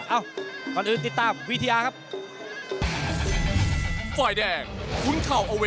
ก่อนอื่นติดตามวิทยาครับ